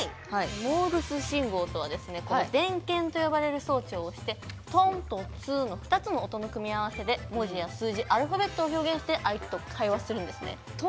モールス信号とは電鍵と呼ばれる装置を押して「トン」と「ツー」２つの音の組み合わせで文字や数字、アルファベットを表現して、相手と会話するんです。